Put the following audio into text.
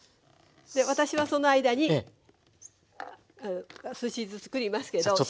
で私はその間にすし酢作りますけど。